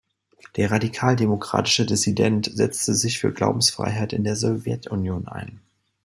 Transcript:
Der radikaldemokratische Dissident setzte sich für Glaubensfreiheit in der Sowjetunion ein.